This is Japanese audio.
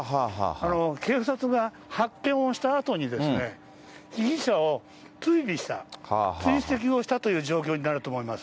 警察が発見をしたあとに、被疑者を追尾した、追跡をしたという状況になると思います。